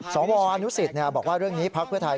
สวอนุสิตบอกว่าเรื่องนี้พักเพื่อไทย